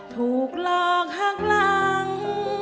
ถูกหลอกหักหลัง